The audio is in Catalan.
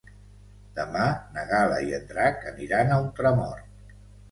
Demà na Gal·la i en Drac aniran a Ultramort.